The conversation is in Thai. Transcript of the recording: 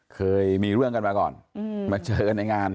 เคยมีเรื่องกันมาก่อนมาเจอกันในงาน